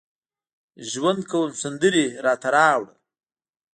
ژوند کوم سندرې راته راوړه